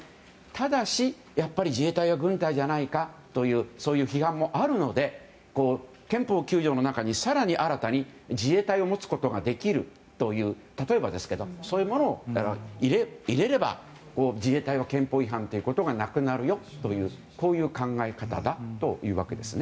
ただし、やっぱり自衛隊は軍隊じゃないかという批判もあるので憲法９条の中に更に新たに自衛隊を持つことができるとか例えばですけどそういうものを入れれば自衛隊は憲法違反ということがなくなるよという、こういう考え方だというわけです。